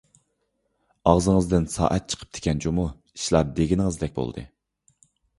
ئاغزىڭىزدىن سائەت چىقىپتىكەن جۇمۇ، ئىشلار دېگىنىڭىزدەك بولدى.